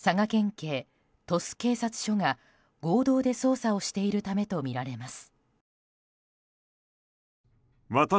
警鳥栖警察署が合同で捜査しているためとみられます。